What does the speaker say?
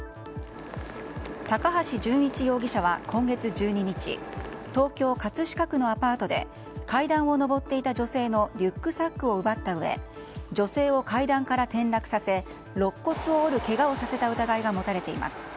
高橋純一容疑者は今月１２日東京・葛飾区のアパートで階段を上っていた女性のリュックサックを奪ったうえ女性を階段から転落させろっ骨を折るけがをさせた疑いが持たれています。